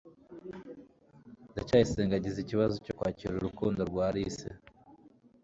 ndacyayisenga yagize ikibazo cyo kwakira urukundo rwa alice